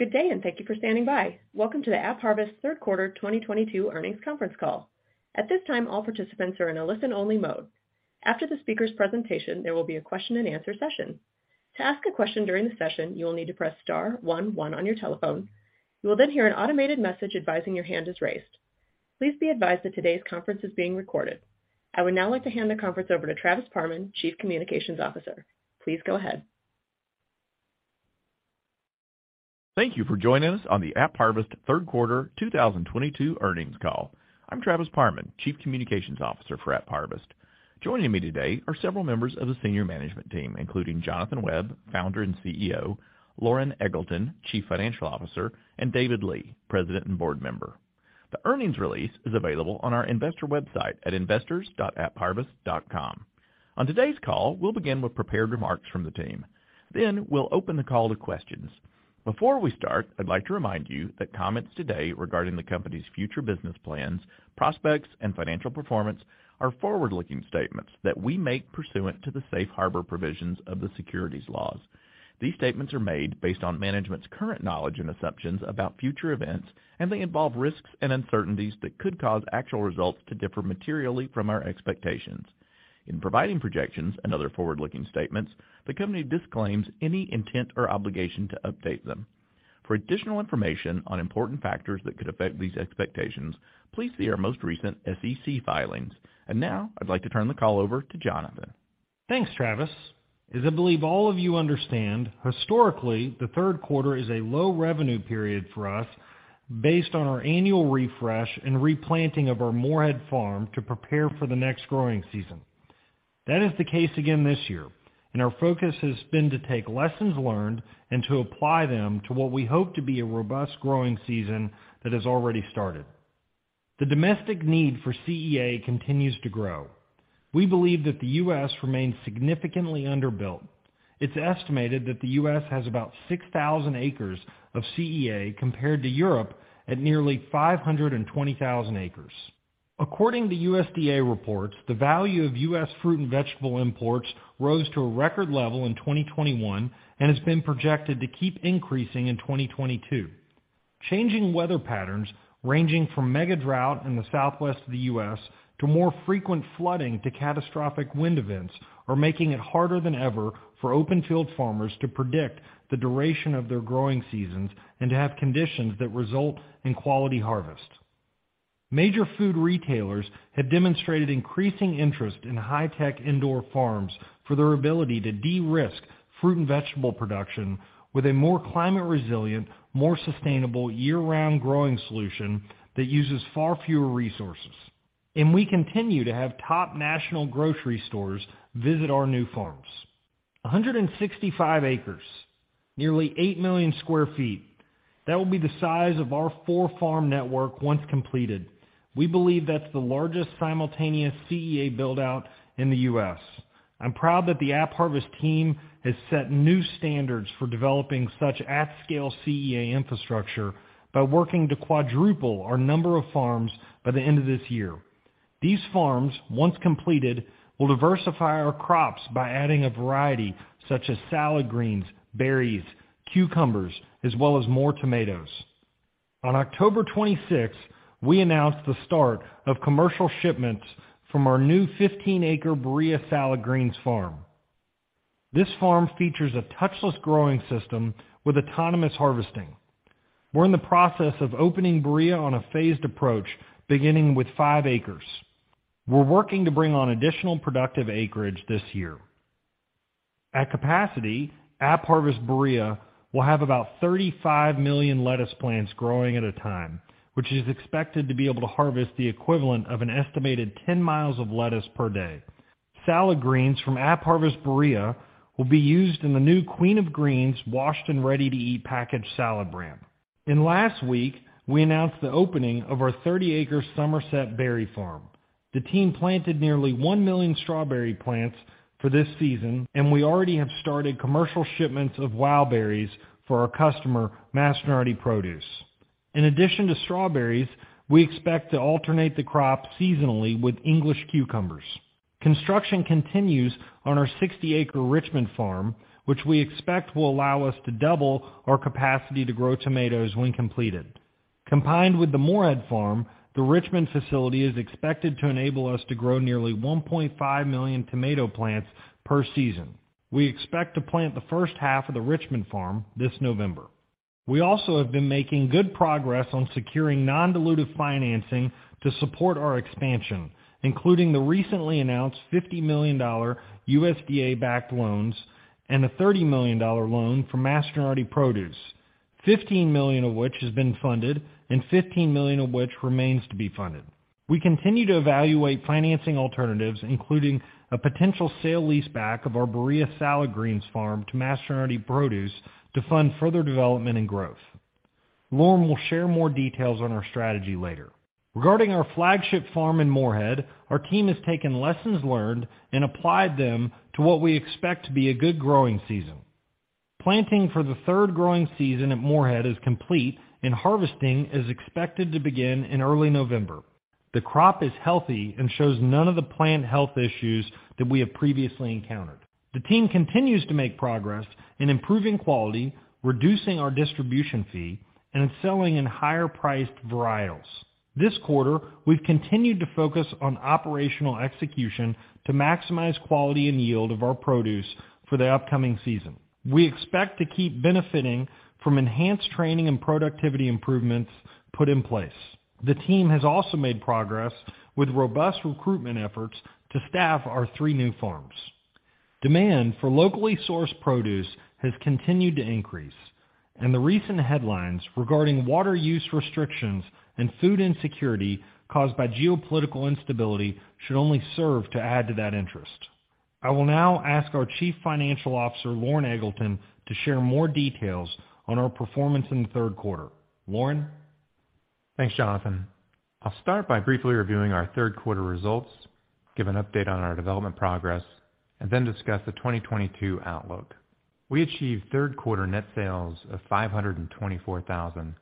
Good day, and thank you for standing by. Welcome to the AppHarvest Q3 2022 Earnings Conference Call. At this time, all participants are in a listen-only mode. After the speaker's presentation, there will be a Q&A session. To ask a question during the session, you will need to press star one one on your telephone. You will then hear an automated message advising your hand is raised. Please be advised that today's conference is being recorded. I would now like to hand the conference over to Travis Parman, Chief Communications Officer. Please go ahead. Thank you for joining us on the AppHarvest Q3 2022 earnings call. I'm Travis Parman, Chief Communications Officer for AppHarvest. Joining me today are several members of the senior management team, including Jonathan Webb, Founder and CEO, Loren Eggleton, Chief Financial Officer, and David Lee, President and Board Member. The earnings release is available on our investor website at investors.appharvest.com. On today's call, we'll begin with prepared remarks from the team, then we'll open the call to questions. Before we start, I'd like to remind you that comments today regarding the company's future business plans, prospects, and financial performance are forward-looking statements that we make pursuant to the safe harbor provisions of the securities laws. These statements are made based on management's current knowledge and assumptions about future events, and they involve risks and uncertainties that could cause actual results to differ materially from our expectations. In providing projections and other forward-looking statements, the company disclaims any intent or obligation to update them. For additional information on important factors that could affect these expectations, please see our most recent SEC filings. Now I'd like to turn the call over to Jonathan. Thanks, Travis. As I believe all of you understand, historically, the Q3 is a low-revenue period for us based on our annual refresh and replanting of our Morehead Farm to prepare for the next growing season. That is the case again this year, and our focus has been to take lessons learned and to apply them to what we hope to be a robust growing season that has already started. The domestic need for CEA continues to grow. We believe that the U.S. remains significantly underbuilt. It's estimated that the U.S. has about 6,000 acres of CEA, compared to Europe at nearly 520,000 acres. According to USDA reports, the value of U.S. fruit and vegetable imports rose to a record level in 2021 and has been projected to keep increasing in 2022. Changing weather patterns, ranging from mega-drought in the Southwest of the U.S. to more frequent flooding to catastrophic wind events, are making it harder than ever for open field farmers to predict the duration of their growing seasons and to have conditions that result in quality harvest. Major food retailers have demonstrated increasing interest in high-tech indoor farms for their ability to de-risk fruit and vegetable production with a more climate resilient, more sustainable year-round growing solution that uses far fewer resources. We continue to have top national grocery stores visit our new farms. 165 acres, nearly 8 million sq ft. That will be the size of our 4-farm network once completed. We believe that's the largest simultaneous CEA build-out in the U.S. I'm proud that the AppHarvest team has set new standards for developing such at scale CEA infrastructure by working to quadruple our number of farms by the end of this year. These farms, once completed, will diversify our crops by adding a variety such as salad greens, berries, cucumbers, as well as more tomatoes. On October 26th, we announced the start of commercial shipments from our new 15-acre Berea salad greens farm. This farm features a touchless growing system with autonomous harvesting. We're in the process of opening Berea on a phased approach, beginning with 5 acres. We're working to bring on additional productive acreage this year. At capacity, AppHarvest Berea will have about 35 million lettuce plants growing at a time, which is expected to be able to harvest the equivalent of an estimated 10 miles of lettuce per day. Salad greens from AppHarvest Berea will be used in the new Queen of Greens washed and ready-to-eat packaged salad brand. Last week, we announced the opening of our 30-acre Somerset Berry Farm. The team planted nearly 1 million strawberry plants for this season, and we already have started commercial shipments of WOW Berries for our customer, Mastronardi Produce. In addition to strawberries, we expect to alternate the crop seasonally with English cucumbers. Construction continues on our 60-acre Richmond farm, which we expect will allow us to double our capacity to grow tomatoes when completed. Combined with the Morehead Farm, the Richmond facility is expected to enable us to grow nearly 1.5 million tomato plants per season. We expect to plant the H1 of the Richmond farm this November. We have been making good progress on securing non-dilutive financing to support our expansion, including the recently announced $50 million USDA-backed loans and a $30 million loan from Mastronardi Produce, $15 million of which has been funded and $15 million of which remains to be funded. We continue to evaluate financing alternatives, including a potential sale leaseback of our Berea salad greens farm to Mastronardi Produce to fund further development and growth. Loren will share more details on our strategy later. Regarding our flagship farm in Morehead, our team has taken lessons learned and applied them to what we expect to be a good growing season. Planting for the third growing season at Morehead is complete and harvesting is expected to begin in early November. The crop is healthy and shows none of the plant health issues that we have previously encountered. The team continues to make progress in improving quality, reducing our distribution fee, and in selling in higher-priced varietals. This quarter, we've continued to focus on operational execution to maximize quality and yield of our produce for the upcoming season. We expect to keep benefiting from enhanced training and productivity improvements put in place. The team has also made progress with robust recruitment efforts to staff our 3 new farms. Demand for locally sourced produce has continued to increase, and the recent headlines regarding water use restrictions and food insecurity caused by geopolitical instability should only serve to add to that interest. I will now ask our Chief Financial Officer, Loren Eggleton, to share more details on our performance in the Q3. Loren? Thanks, Jonathan. I'll start by briefly reviewing our Q3 results, give an update on our development progress, and then discuss the 2022 outlook. We achieved Q3 net sales of $524,000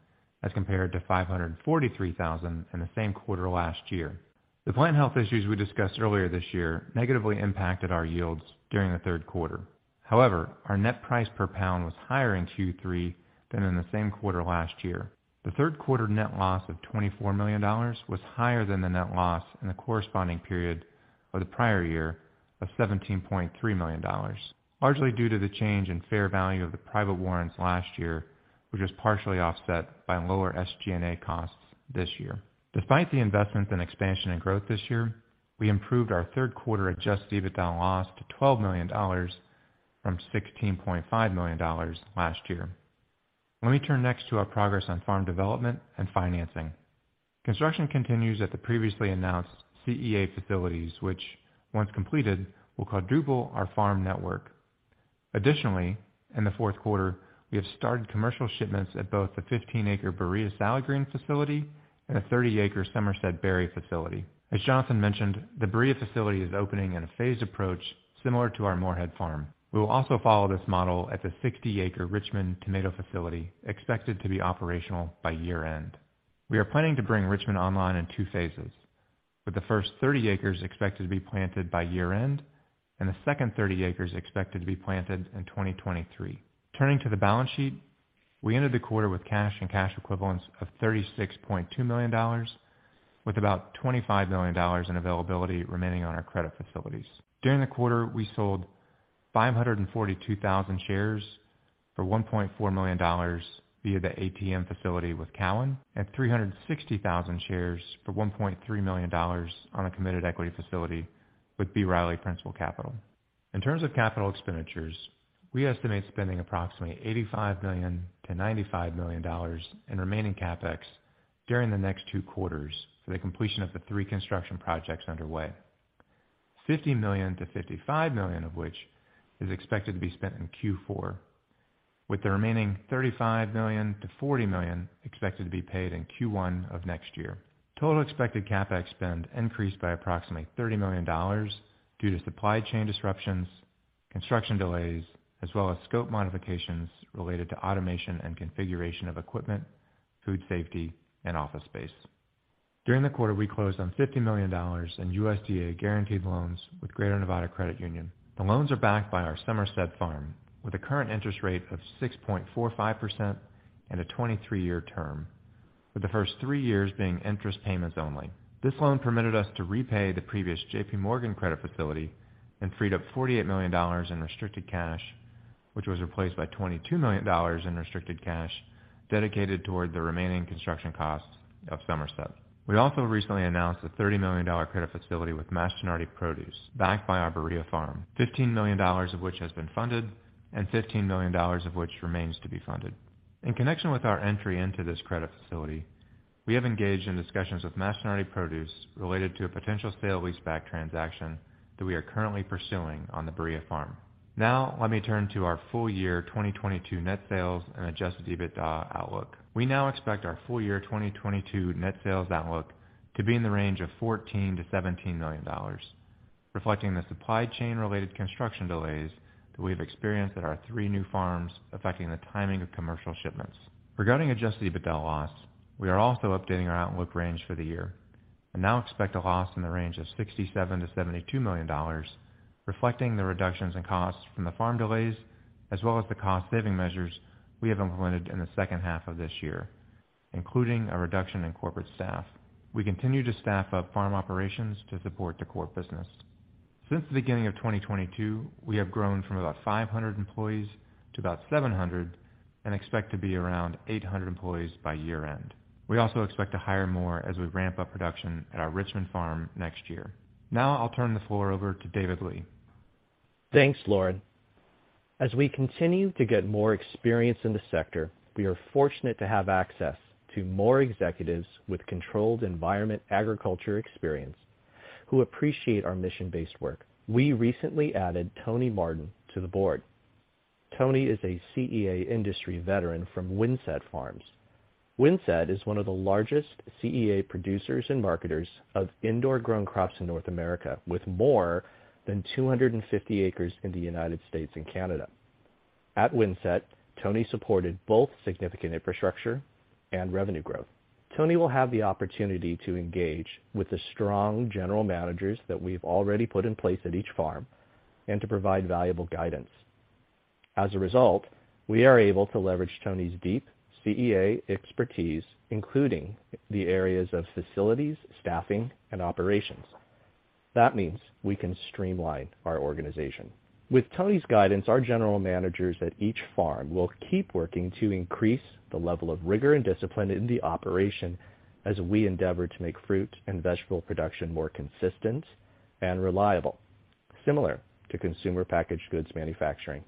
as compared to $543,000 in the same quarter last year. The plant health issues we discussed earlier this year negatively impacted our yields during the Q3. However, our net price per pound was higher in Q3 than in the same quarter last year. The Q3 net loss of $24 million was higher than the net loss in the corresponding period of the prior year of $17.3 million, largely due to the change in fair value of the private warrants last year, which was partially offset by lower SG&A costs this year. Despite the investments in expansion and growth this year, we improved our Q3 adjusted EBITDA loss to $12 million from $16.5 million last year. Let me turn next to our progress on farm development and financing. Construction continues at the previously announced CEA facilities, which once completed, will quadruple our farm network. Additionally, in the Q4, we have started commercial shipments at both the 15-acre Berea salad green facility and a 30-acre Somerset berry facility. As Jonathan mentioned, the Berea facility is opening in a phased approach similar to our Morehead farm. We will also follow this model at the 60-acre Richmond tomato facility expected to be operational by year-end. We are planning to bring Richmond online in 2 phases, with the first 30 acres expected to be planted by year-end and the second 30 acres expected to be planted in 2023. Turning to the balance sheet, we ended the quarter with cash and cash equivalents of $36.2 million, with about $25 million in availability remaining on our credit facilities. During the quarter, we sold 542,000 shares for $1.4 million via the ATM facility with Cowen and 360,000 shares for $1.3 million on a committed equity facility with B. Riley Principal Capital. In terms of capital expenditures, we estimate spending approximately $85 million-$95 million in remaining CapEx during the next 2 quarters for the completion of the 3 construction projects underway. $50 million-$55 million of which is expected to be spent in Q4, with the remaining $35 million-$40 million expected to be paid in Q1 of next year. Total expected CapEx spend increased by approximately $30 million due to supply chain disruptions, construction delays, as well as scope modifications related to automation and configuration of equipment, food safety, and office space. During the quarter, we closed on $50 million in USDA guaranteed loans with Greater Nevada Credit Union. The loans are backed by our Somerset Farm, with a current interest rate of 6.45% and a 23-year term, with the first 3 years being interest payments only. This loan permitted us to repay the previous J.P. Morgan credit facility and freed up $48 million in restricted cash, which was replaced by $22 million in restricted cash dedicated toward the remaining construction costs of Somerset. We also recently announced a $30 million credit facility with Mastronardi Produce backed by our Berea Farm, $15 million of which has been funded and $15 million of which remains to be funded. In connection with our entry into this credit facility, we have engaged in discussions with Mastronardi Produce related to a potential sale-leaseback transaction that we are currently pursuing on the Berea Farm. Now let me turn to our full year 2022 net sales and adjusted EBITDA outlook. We now expect our full year 2022 net sales outlook to be in the range of $14 million-$17 million, reflecting the supply chain-related construction delays that we've experienced at our 3 new farms, affecting the timing of commercial shipments. Regarding adjusted EBITDA loss, we are also updating our outlook range for the year and now expect a loss in the range of $67 million-$72 million, reflecting the reductions in costs from the farm delays, as well as the cost saving measures we have implemented in the H2 of this year, including a reduction in corporate staff. We continue to staff up farm operations to support the core business. Since the beginning of 2022, we have grown from about 500 employees to about 700 and expect to be around 800 employees by year-end. We also expect to hire more as we ramp up production at our Richmond farm next year. Now I'll turn the floor over to David Lee. Thanks, Loren. As we continue to get more experience in the sector, we are fortunate to have access to more executives with controlled environment agriculture experience who appreciate our mission-based work. We recently added Tony Martin to the board. Tony is a CEA industry veteran from Windset Farms. Windset is one of the largest CEA producers and marketers of indoor grown crops in North America, with more than 250 acres in the United States and Canada. At Windset, Tony supported both significant infrastructure and revenue growth. Tony will have the opportunity to engage with the strong general managers that we've already put in place at each farm and to provide valuable guidance. As a result, we are able to leverage Tony's deep CEA expertise, including the areas of facilities, staffing, and operations. That means we can streamline our organization. With Tony's guidance, our general managers at each farm will keep working to increase the level of rigor and discipline in the operation as we endeavor to make fruit and vegetable production more consistent and reliable, similar to consumer packaged goods manufacturing.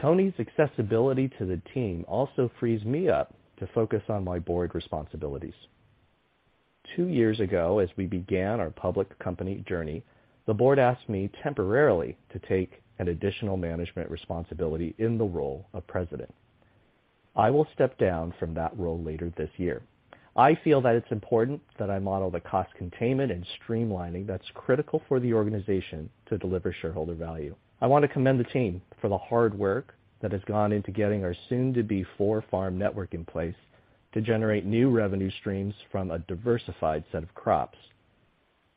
Tony's accessibility to the team also frees me up to focus on my board responsibilities. 2 years ago, as we began our public company journey, the board asked me temporarily to take an additional management responsibility in the role of president. I will step down from that role later this year. I feel that it's important that I model the cost containment and streamlining that's critical for the organization to deliver shareholder value. I want to commend the team for the hard work that has gone into getting our soon-to-be 4-farm network in place to generate new revenue streams from a diversified set of crops.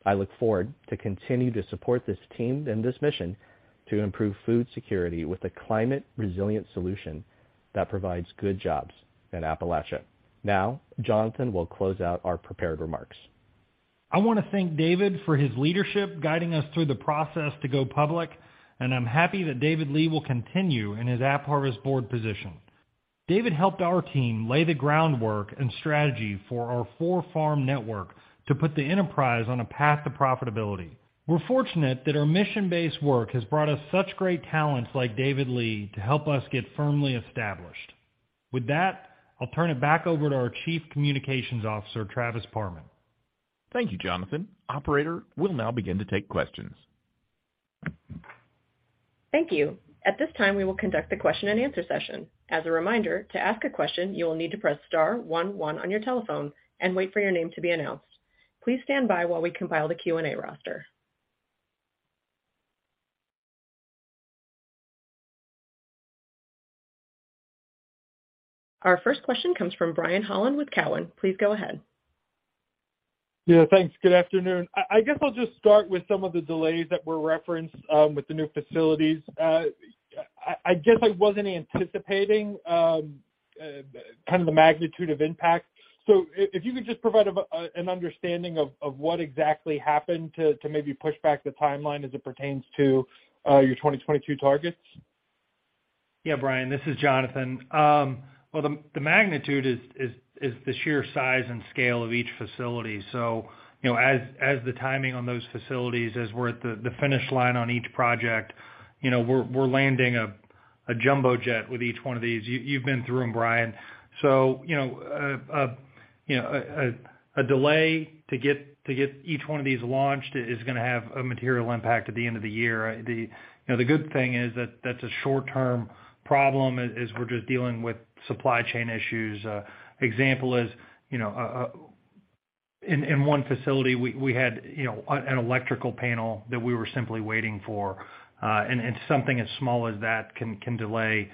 I look forward to continue to support this team and this mission to improve food security with a climate-resilient solution that provides good jobs in Appalachia. Now, Jonathan will close out our prepared remarks. I want to thank David for his leadership guiding us through the process to go public, and I'm happy that David Lee will continue in his AppHarvest board position. David helped our team lay the groundwork and strategy for our 4-farm network to put the enterprise on a path to profitability. We're fortunate that our mission-based work has brought us such great talents like David Lee to help us get firmly established. With that, I'll turn it back over to our Chief Communications Officer, Travis Parman. Thank you, Jonathan. Operator, we'll now begin to take questions. Thank you. At this time, we will conduct the Q&A session. As a reminder, to ask a question, you will need to press star one one on your telephone and wait for your name to be announced. Please stand by while we compile the Q&A roster. Our first question comes from Brian Holland with Cowen. Please go ahead. Yeah, thanks. Good afternoon. I guess I'll just start with some of the delays that were referenced with the new facilities. I guess I wasn't anticipating kind of the magnitude of impact. If you could just provide an understanding of what exactly happened to maybe push back the timeline as it pertains to your 2022 targets. Yeah, Brian, this is Jonathan. Well, the magnitude is the sheer size and scale of each facility. You know, as the timing on those facilities, as we're at the finish line on each project, you know, we're landing a jumbo jet with each one of these. You've been through them, Brian. You know, a delay to get each one of these launched is gonna have a material impact at the end of the year. The good thing is that that's a short-term problem as we're just dealing with supply chain issues. Example is, you know, in one facility we had, you know, an electrical panel that we were simply waiting for, and something as small as that can delay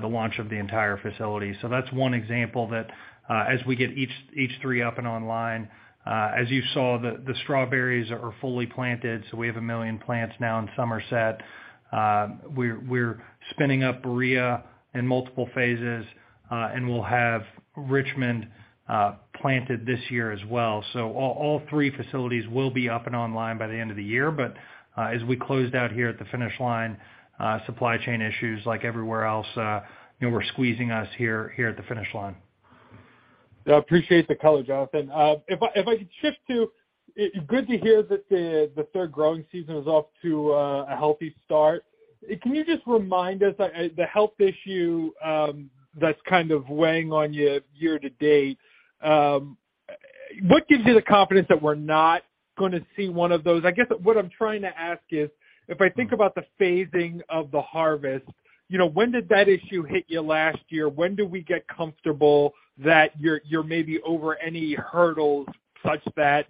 the launch of the entire facility. That's one example that, as we get each 3 up and online, as you saw, the strawberries are fully planted, so we have 1 million plants now in Somerset. We're spinning up Berea in multiple phases, and we'll have Richmond planted this year as well. All 3 facilities will be up and online by the end of the year. As we closed out here at the finish line, supply chain issues like everywhere else, you know, were squeezing us here at the finish line. Yeah, appreciate the color, Jonathan. If I could shift to good to hear that the third growing season is off to a healthy start. Can you just remind us the health issue that's kind of weighing on you year to date, what gives you the confidence that we're not gonna see one of those? I guess what I'm trying to ask is, if I think about the phasing of the harvest, you know, when did that issue hit you last year? When do we get comfortable that you're maybe over any hurdles such that,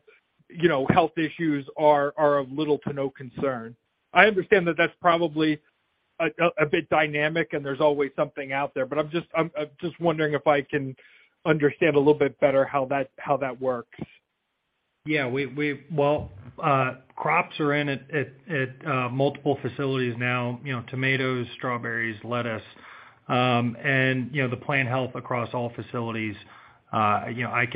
you know, health issues are of little to no concern? I understand that that's probably a bit dynamic and there's always something out there, but I'm just wondering if I can understand a little bit better how that works. Well, crops are in at multiple facilities now, you know, tomatoes, strawberries, lettuce. The plant health across all facilities, you know, I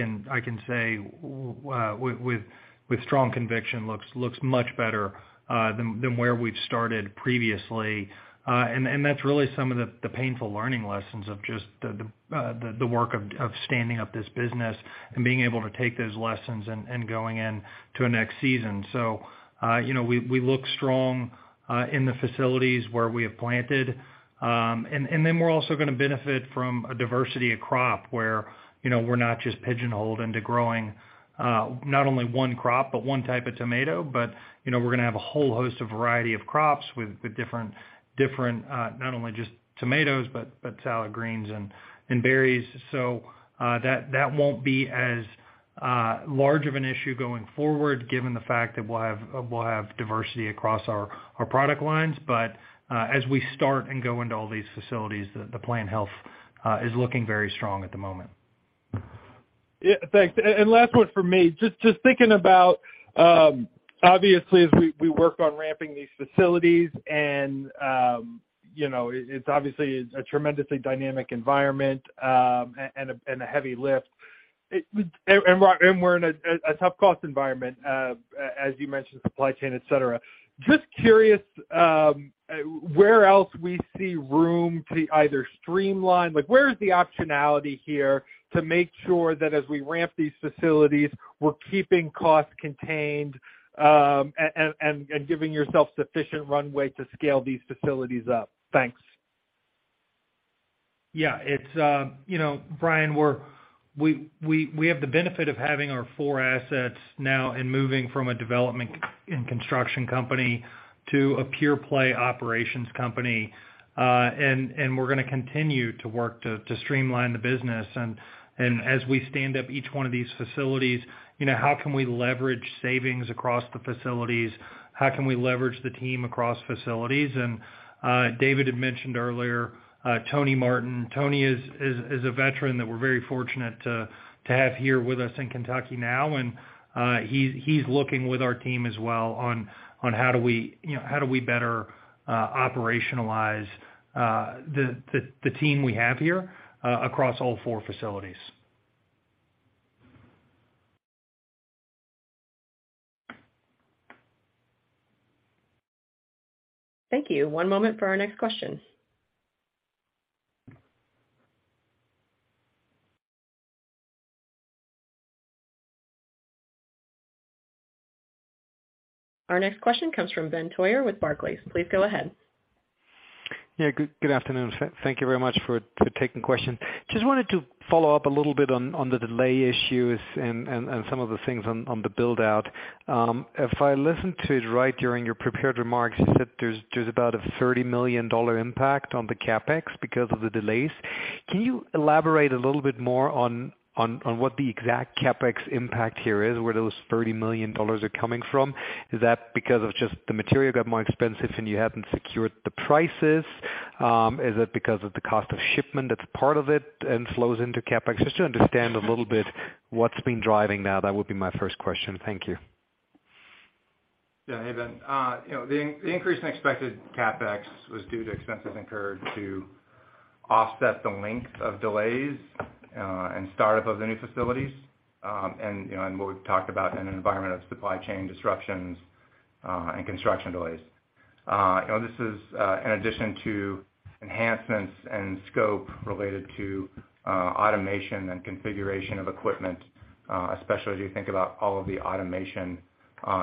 can say with strong conviction looks much better than where we've started previously. That's really some of the painful learning lessons of just the work of standing up this business and being able to take those lessons and going in to a next season. We look strong in the facilities where we have planted. We're also gonna benefit from a diversity of crop where, you know, we're not just pigeonholed into growing not only one crop, but one type of tomato. You know, we're gonna have a whole host of variety of crops with different not only just tomatoes, but salad greens and berries. That won't be as large of an issue going forward, given the fact that we'll have diversity across our product lines. As we start and go into all these facilities, the plant health is looking very strong at the moment. Yeah. Thanks. And last one from me. Just thinking about, obviously, as we work on ramping these facilities and, you know, it's obviously a tremendously dynamic environment, and a heavy lift. And we're in a tough cost environment, as you mentioned, supply chain, et cetera. Just curious, where else we see room to either streamline. Like, where is the optionality here to make sure that as we ramp these facilities, we're keeping costs contained, and giving yourself sufficient runway to scale these facilities up? Thanks. Yeah. It's you know, Brian, we have the benefit of having our 4 assets now and moving from a development and construction company to a pure play operations company. We're gonna continue to work to streamline the business. As we stand up each one of these facilities, you know, how can we leverage savings across the facilities? How can we leverage the team across facilities? David had mentioned earlier, Tony Martin. Tony is a veteran that we're very fortunate to have here with us in Kentucky now, and he's looking with our team as well on how do we, you know, how do we better operationalize the team we have here across all 4 facilities. Thank you. One moment for our next question. Our next question comes from Ben Theurer with Barclays. Please go ahead. Good afternoon. Thank you very much for taking my question. Just wanted to follow up a little bit on the delay issues and some of the things on the build-out. If I listened to it right during your prepared remarks, you said there's about a $30 million impact on the CapEx because of the delays. Can you elaborate a little bit more on what the exact CapEx impact here is, where those $30 million are coming from? Is that because of just the material got more expensive and you haven't secured the prices? Is it because of the cost of shipment that's part of it and flows into CapEx? Just to understand a little bit what's been driving that. That would be my first question. Thank you. Yeah. Hey, Ben. You know, the increase in expected CapEx was due to expenses incurred to offset the length of delays and startup of the new facilities. You know, what we've talked about in an environment of supply chain disruptions and construction delays. You know, this is in addition to enhancements and scope related to automation and configuration of equipment, especially as you think about all of the automation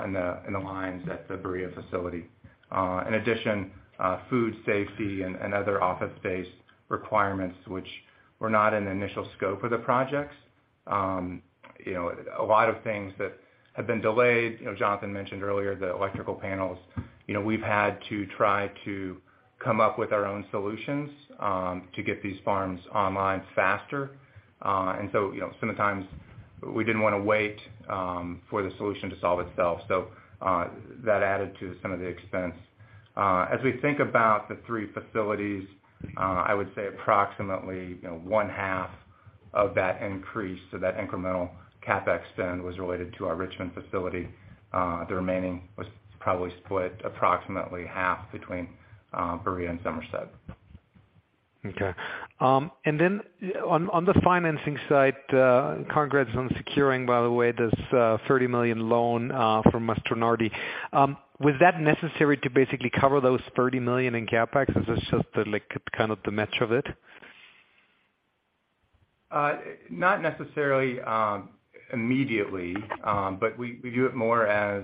in the lines at the Berea facility. In addition, food safety and other office space requirements which were not in the initial scope of the projects. You know, a lot of things that have been delayed. You know, Jonathan mentioned earlier, the electrical panels. You know, we've had to try to come up with our own solutions to get these farms online faster. You know, sometimes we didn't wanna wait for the solution to solve itself, so that added to some of the expense. As we think about the 3 facilities, I would say approximately, you know, one half of that increase, so that incremental CapEx spend was related to our Richmond facility. The remaining was probably split approximately half between Berea and Somerset. Okay. On the financing side, congrats on securing, by the way, this $30 million loan from Mastronardi. Was that necessary to basically cover those $30 million in CapEx, or is this just the, like, kind of the math of it? Not necessarily, immediately. We view it more as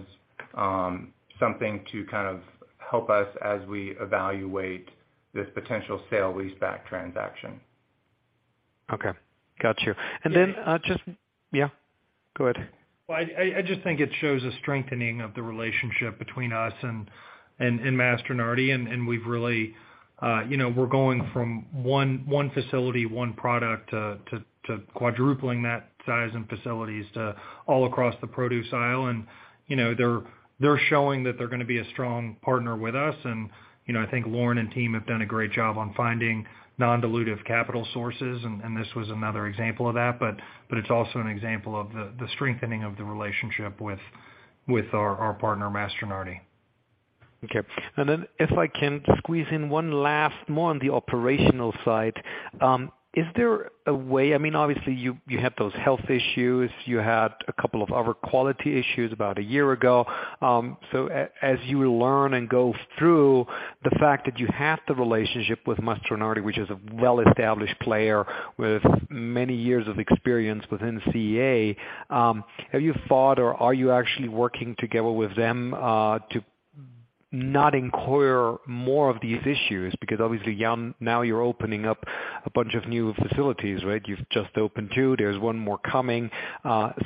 something to kind of help us as we evaluate this potential sale-leaseback transaction. Okay. Got you. Yeah. Yeah, go ahead. Well, I just think it shows a strengthening of the relationship between us and Mastronardi, and we've really, you know, we're going from one facility, one product to quadrupling that size in facilities to all across the produce aisle. You know, they're showing that they're gonna be a strong partner with us. You know, I think Loren and team have done a great job on finding non-dilutive capital sources, and this was another example of that. It's also an example of the strengthening of the relationship with our partner, Mastronardi. Okay. If I can squeeze in one last more on the operational side. Is there a way? I mean, obviously you had those health issues, you had a couple of other quality issues about a year ago. As you learn and go through the fact that you have the relationship with Mastronardi, which is a well-established player with many years of experience within CEA, have you thought or are you actually working together with them to not incur more of these issues? Because obviously, now you're opening up a bunch of new facilities, right? You've just opened 2. There's 1 more coming.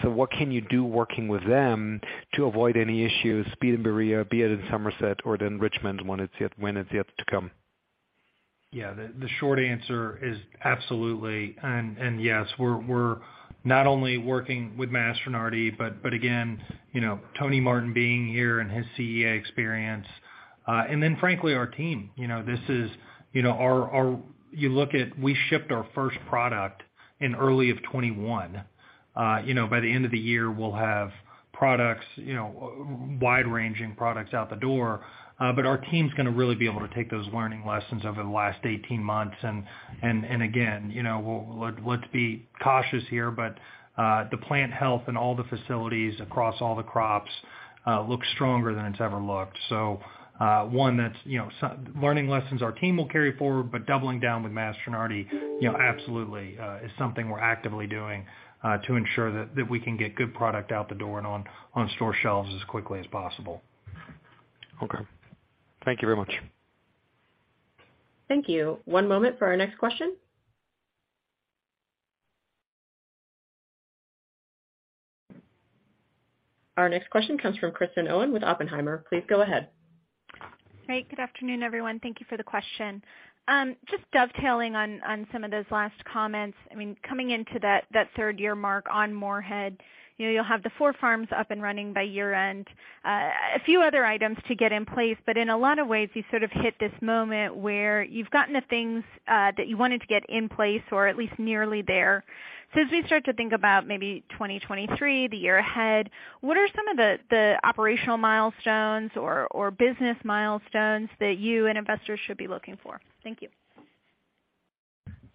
What can you do working with them to avoid any issues, be it in Berea, be it in Somerset or then Richmond when it's yet to come? Yeah, the short answer is absolutely. Yes, we're not only working with Mastronardi, but again, you know, Tony Martin being here and his CEA experience, and then frankly, our team, you know. This is, you know, our. You look at we shipped our first product in early 2021. You know, by the end of the year, we'll have products, you know, wide-ranging products out the door. But our team's gonna really be able to take those learning lessons over the last 18 months. Again, you know, we'll. Let's be cautious here, but the plant health and all the facilities across all the crops looks stronger than it's ever looked. one that's, you know, so learning lessons our team will carry forward, but doubling down with Mastronardi, you know, absolutely, is something we're actively doing, to ensure that we can get good product out the door and on store shelves as quickly as possible. Okay. Thank you very much. Thank you. One moment for our next question. Our next question comes from Kristen Owen with Oppenheimer. Please go ahead. Great. Good afternoon, everyone. Thank you for the question. Just dovetailing on some of those last comments. I mean, coming into that third-year mark on Morehead, you know, you'll have the 4 farms up and running by year-end. A few other items to get in place, but in a lot of ways, you sort of hit this moment where you've gotten the things that you wanted to get in place or at least nearly there. As we start to think about maybe 2023, the year ahead, what are some of the operational milestones or business milestones that you and investors should be looking for? Thank you.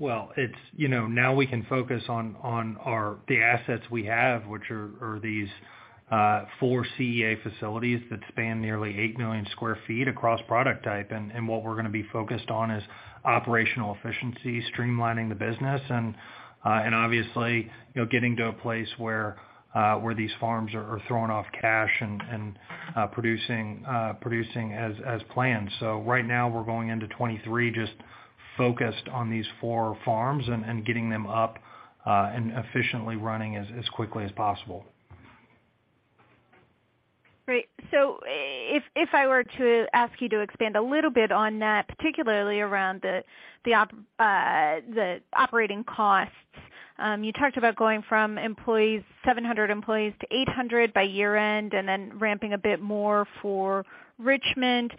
Well, it's, you know, now we can focus on our the assets we have, which are these 4 CEA facilities that span nearly 8 million sq ft across product type. What we're gonna be focused on is operational efficiency, streamlining the business and obviously, you know, getting to a place where these farms are throwing off cash and producing as planned. Right now we're going into 2023 just focused on these 4 farms and getting them up and efficiently running as quickly as possible. Great. If I were to ask you to expand a little bit on that, particularly around the operating costs, you talked about going from 700 employees to 800 by year-end and then ramping a bit more for Richmond.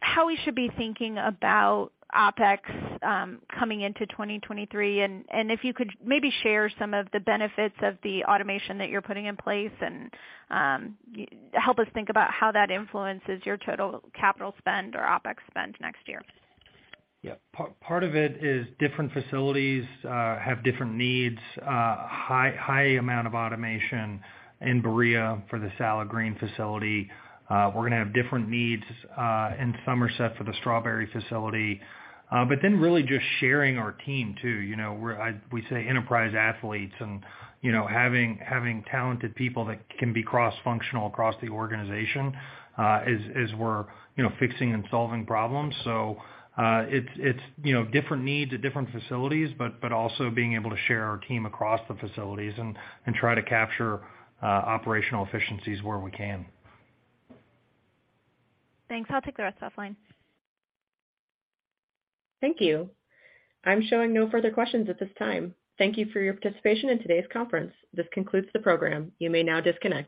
How we should be thinking about OpEx coming into 2023, and if you could maybe share some of the benefits of the automation that you're putting in place and help us think about how that influences your total capital spend or OpEx spend next year. Yeah. Part of it is different facilities have different needs. High amount of automation in Berea for the salad green facility. We're gonna have different needs in Somerset for the strawberry facility. But then really just sharing our team too. You know, we say enterprise athletes and you know having talented people that can be cross-functional across the organization as we're you know fixing and solving problems. It's you know different needs at different facilities, but also being able to share our team across the facilities and try to capture operational efficiencies where we can. Thanks. I'll take the rest offline. Thank you. I'm showing no further questions at this time. Thank you for your participation in today's conference. This concludes the program. You may now disconnect.